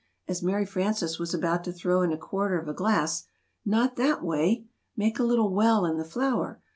(as Mary Frances was about to throw in a quarter of a glass) not that way! Make a little 'well' in the flour.